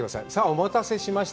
お待たせしました。